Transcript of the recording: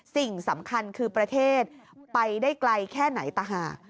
สิ่งสำคัญคือประเทศไปได้ไกลแค่ไหนต่างหาก